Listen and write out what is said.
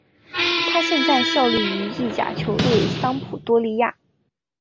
他现在效力于意甲球队桑普多利亚。